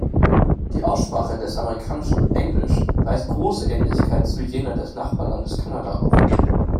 Die Aussprache des amerikanischen Englisch weist große Ähnlichkeiten zu jener des Nachbarlandes Kanada auf.